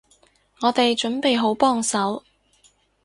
我哋準備好幫手